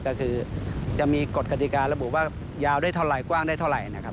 ก็คือจะมีกฎกฎิการระบุว่ายาวได้เท่าไรกว้างได้เท่าไหร่นะครับ